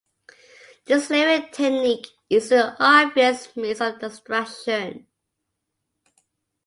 This layering technique is an obvious means of abstraction.